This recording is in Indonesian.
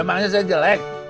memangnya saya jelek